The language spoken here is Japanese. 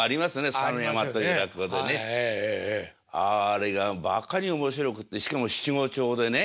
あれがバカに面白くてしかも七五調でね。